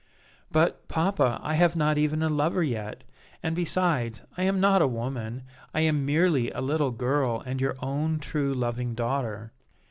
"But, papa, I have not even a lover yet, and, besides, I am not a woman; I am merely a little girl and your own, true, loving daughter."